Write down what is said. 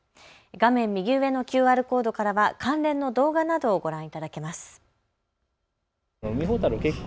画面右上のＱＲコードからは関連の動画などをご覧いただけます。